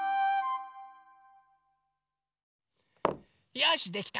よしできた！